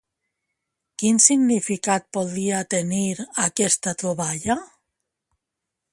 Quin significat podria tenir aquesta troballa?